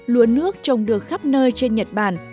lúa nước trồng được khắp nơi trên nhật bản